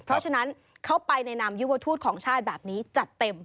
เพราะฉะนั้นเข้าไปในนามยุวทูตของชาติแบบนี้จัดเต็ม